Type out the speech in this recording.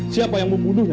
siapa yang membunuhnya